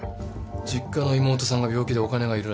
実家の妹さんが病気でお金がいるらしい。